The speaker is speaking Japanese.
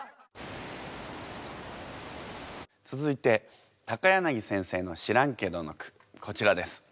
続いて柳先生の「知らんけど」の句こちらです。